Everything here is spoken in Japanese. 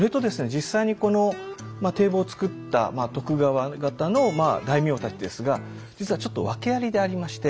実際にこの堤防を造った徳川方の大名たちですが実はちょっと訳ありでありまして。